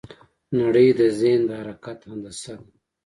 نړۍ د ذهن د حرکت هندسه ده.